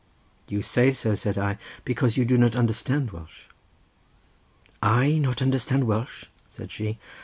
"You say so," said I, "because you do not understand Welsh." "I not understand Welsh!" said she.